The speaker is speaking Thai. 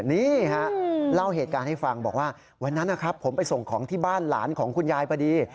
นี่เล่าเหตุการณ์ให้ฟังวันนั้นครับผมไปส่งของล้านของคุณยายพอดี